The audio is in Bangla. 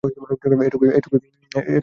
এটুকুই বলার ছিল।